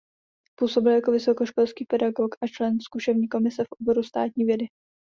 Působil jako vysokoškolský pedagog a člen zkušební komise v oboru státní vědy.